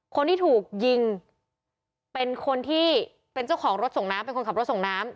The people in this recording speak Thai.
คนที่ถูกยิงเป็นคนที่เป็นเจ้าของรถส่งน้ำเป็นคนขับรถส่งน้ำ